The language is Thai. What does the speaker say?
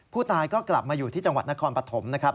ผู้ตายก็กลับมาอยู่ที่จังหวัดนครปฐมนะครับ